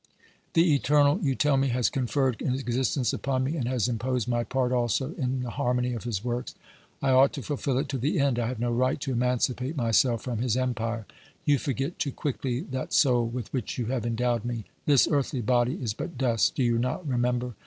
The Eternal, you tell me, has conferred existence upon me, and has imposed my part also in the harmony of His works; I ought to fulfil it to the end, I have no right to emancipate myself from His empire. You forget too quickly that soul with which you have endowed me. This earthly body is but dust, do you not remember